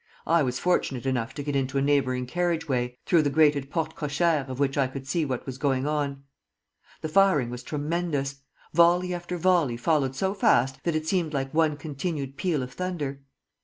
I was fortunate enough to get into a neighboring carriage way, through the grated porte cochère of which I could see what was going on. The firing was tremendous. Volley after volley followed so fast that it seemed like one continued peal of thunder.